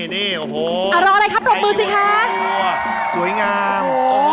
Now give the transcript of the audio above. ที่นะสวยงาม